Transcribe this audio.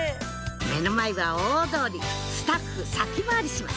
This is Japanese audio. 目の前は大通りスタッフ先回りします